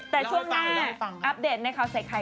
แต่ช่วงหน้าอัปเดตในข่าวใส่ไข่